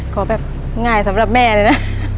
ขอแบบง่ายสำหรับแม่เลยนะ